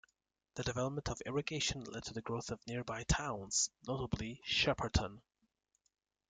The development of irrigation led to the growth of nearby towns, notably Shepparton.